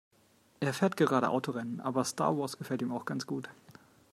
Er fährt gerade Autorennen, aber Star Wars gefällt ihm auch ganz gut.